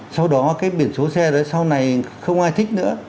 sau đó cái biển số xe đấy sau này không ai thích nữa